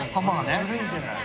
それがいいじゃない。